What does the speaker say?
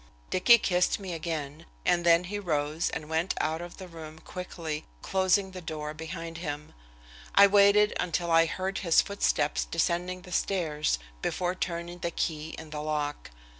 Dicky kissed me again and then he rose and went out of the room quickly, closing the door behind him. I waited until I heard his footsteps descending the stairs before turning the key in the lock.